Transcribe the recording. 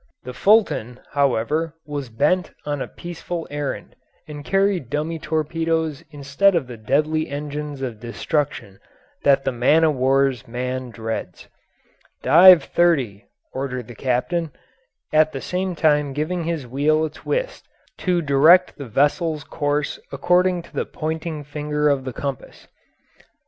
The Fulton, however, was bent on a peaceful errand, and carried dummy torpedoes instead of the deadly engines of destruction that the man o' war's man dreads. "Dive thirty," ordered the captain, at the same time giving his wheel a twist to direct the vessel's course according to the pointing finger of the compass.